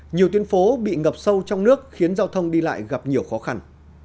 nhiều tuyên phố bị ngập sâu trong nước khiến giao thông đi lại gặp nhiều khó khăn